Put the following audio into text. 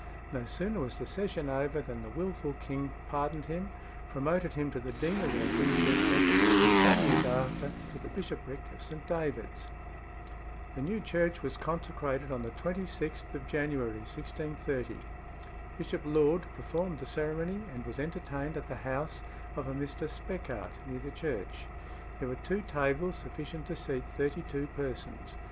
No sooner was the session over than the wilful king pardoned him, promoted him to the deanery of Winchester, and some years after to the bishopric of St. David's. The new church was consecrated on the 26th of January 1630. Bishop Laud performed the ceremony, and was entertained at the house of a Mr. Speckart, near the church. There were two tables sufficient to seat thirty two persons.